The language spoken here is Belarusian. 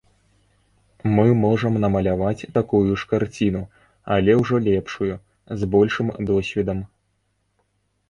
Мы можам намаляваць такую ж карціну, але ўжо лепшую, з большым досведам.